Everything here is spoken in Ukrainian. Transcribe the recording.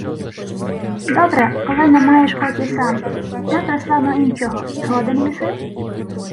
— Добре, коли не маєш хоті сам... Ми прислемо іншого. Згоден єси?